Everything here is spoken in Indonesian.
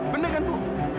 bener kan bu